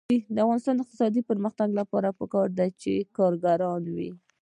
د افغانستان د اقتصادي پرمختګ لپاره پکار ده چې کارګران وي.